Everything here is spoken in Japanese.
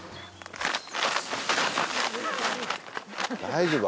大丈夫？